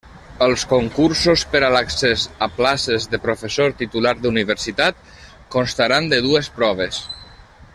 Els concursos per a l'accés a places de professor titular d'universitat constaran de dues proves.